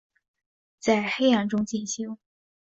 在黑暗中进行